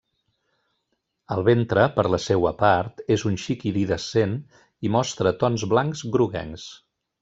El ventre, per la seua part, és un xic iridescent i mostra tons blancs groguencs.